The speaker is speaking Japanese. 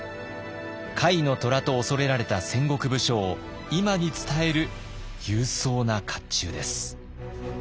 甲斐の虎と畏れられた戦国武将を今に伝える勇壮な甲冑です。